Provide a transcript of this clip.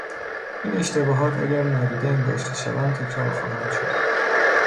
این اشتباهات اگر نادیده انگاشته شوند تکرار خواهند شد.